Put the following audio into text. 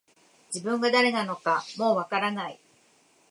自分が誰なのかもう分からない